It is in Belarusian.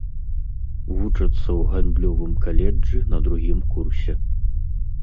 Вучацца ў гандлёвым каледжы на другім курсе.